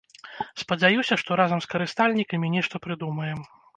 Спадзяюся, што разам з карыстальнікамі нешта прыдумаем.